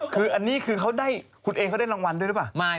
คืออันนี้คือเขาได้คุณเองเขาได้รางวัลด้วยหรือเปล่า